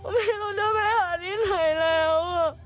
ไม่รู้จะไปหาที่ไหนแล้ว